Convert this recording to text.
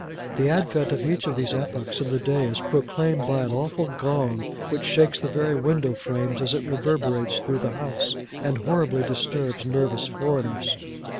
The advent of each of these epochs in the day is proclaimed by an awful gong, which shakes the very window frames as it reverberates through the house, and horribly disturbs nervous foreigners.